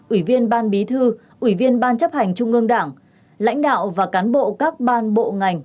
ủy viên ban bí thư ủy viên ban chấp hành trung ương đảng lãnh đạo và cán bộ các ban bộ ngành